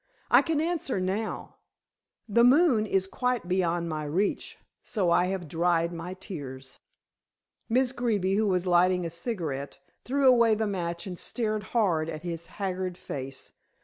I can answer now. The moon is quite beyond my reach, so I have dried my tears." Miss Greeby, who was lighting a cigarette, threw away the match and stared hard at his haggard face.